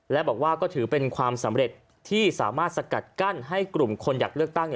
และบอกว่าก็ถือเป็นความสำเร็จที่สามารถสกัดกั้นให้กลุ่มคนอยากเลือกตั้ง